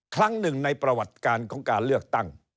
ครั้งหนึ่งในประวัติการของการเลือกตั้ง